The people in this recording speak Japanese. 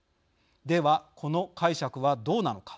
では、この解釈はどうなのか。